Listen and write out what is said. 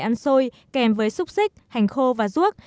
ăn xôi kèm với xúc xích hành khô và ruốc